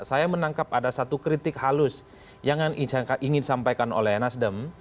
saya menangkap ada satu kritik halus yang ingin disampaikan oleh nasdem